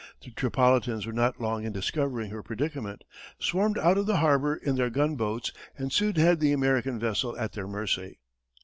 The Tripolitans were not long in discovering her predicament, swarmed out of the harbor in their gunboats, and soon had the American vessel at their mercy.